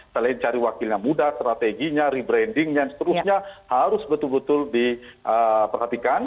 selain cari wakil yang muda strateginya rebrandingnya dan seterusnya harus betul betul diperhatikan